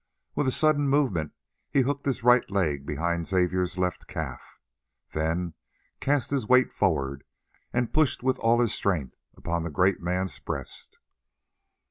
With a sudden movement he hooked his right leg behind Xavier's left calf. Then he cast his weight forward and pushed with all his strength upon the great man's breast.